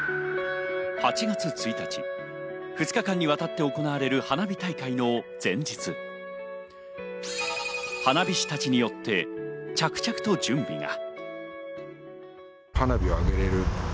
８月１日、２日間にわたって行われる花火大会の前日、花火師たちによって着々と準備が。